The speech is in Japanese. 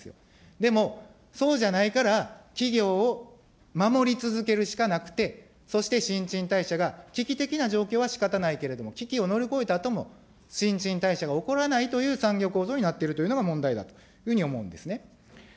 でもそうじゃないから企業を守り続けるしかなくて、そして新陳代謝が、危機的な状況はしかたないけれども、危機を乗り越えたあとも、新陳代謝が起こらないという産業構造になっているというのが問題だというふうに思うんですね。